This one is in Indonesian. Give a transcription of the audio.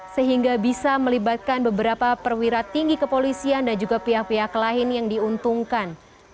sehingga bisa melibatkan beberapa perwira tinggi kepolisian dan juga pihak pihak lain yang diuntungkan